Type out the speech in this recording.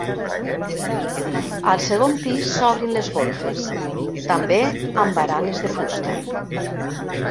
Al segon pis s'obren les golfes, també amb baranes de fusta.